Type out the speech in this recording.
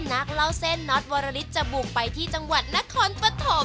นักเล่าเส้นน็อตวรลิศจะบุกไปที่จังหวัดนครปฐม